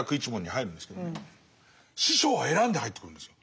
師匠は選んで入ってくるんですよ。